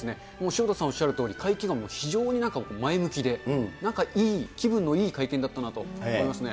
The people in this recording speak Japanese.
潮田さんおっしゃるとおり、会見が非常に前向きで、なんかいい、気分のいい会見だったなと思いますね。